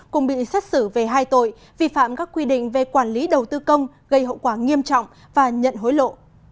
cùng bị xét xử về hai tội vi phạm các quy định về quản lý đầu tư công gây hậu quả nghiêm trọng và nhận hối lộ